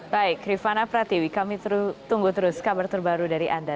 baik rifana pratiwi kami tunggu terus kabar terbaru dari anda